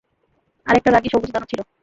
আর একটা রাগী সবুজ দানব ছিল।